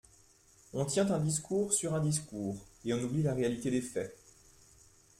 On tient un discours sur un discours et on oublie la réalité des faits.